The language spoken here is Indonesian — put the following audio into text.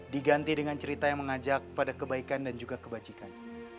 diganti dengan cerita yang mengajak pada kebaikan dan juga kebajikan